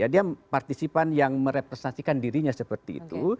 dia partisipan yang merepresentasikan dirinya seperti itu